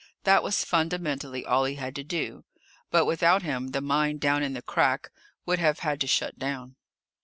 That was fundamentally all he had to do. But without him the mine down in the Crack would have had to shut down.